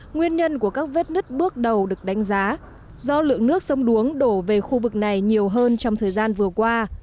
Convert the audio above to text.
nguyên nhân của các vết nứt bước đầu được đánh giá do lượng nước sông đuống đổ về khu vực này nhiều hơn trong thời gian vừa qua